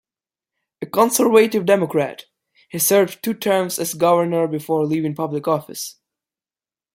A conservative Democrat, he served two terms as governor before leaving public office.